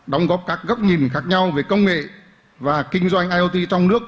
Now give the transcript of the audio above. đóng góp các góc nhìn khác nhau về công nghệ và kinh doanh iot trong nước